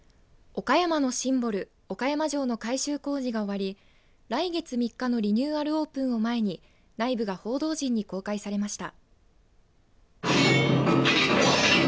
岡山城の改修工事が終わり来月３日のリニューアルオープンを前に内部が報道陣に公開されました。